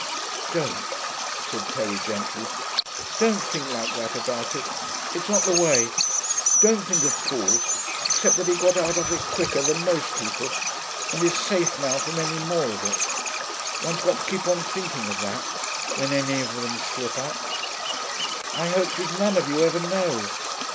'Don't,' said Terry gently. 'Don't think like that about it; it's not the way. Don't think of Paul, except that he got out of it quicker than most people, and is safe now from any more of it. One's got to keep on thinking of that, whenever any of them slip up.... I hoped you'd none of you ever know....